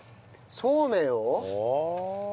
そうめんを。